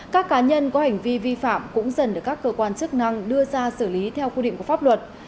các cá nhân có hành vi vi phạm cũng dần được các cơ quan chức năng đưa ra xử lý theo quy định của pháp luật